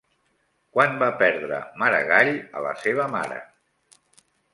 Quan va perdre Maragall a la seva mare?